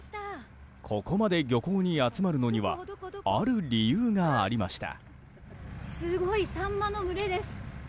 ここまで漁港に集まるのにはある理由がありました。